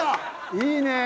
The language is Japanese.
いいねえ。